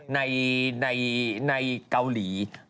ในเกาหลี